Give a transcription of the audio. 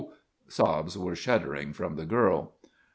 Sobs were shuddering from the girl.